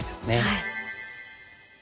はい。